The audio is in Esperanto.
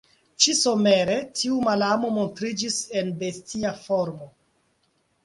Ĉi-somere tiu malamo montriĝis en bestia formo.